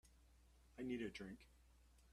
I need a drink.